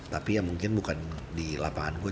tapi ya mungkin bukan di lapangan gue